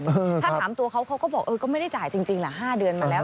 ถ้าถามตัวเขาเขาก็บอกเออก็ไม่ได้จ่ายจริงล่ะ๕เดือนมาแล้ว